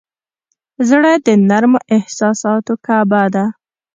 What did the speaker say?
زړه د نرمو احساساتو کعبه ده.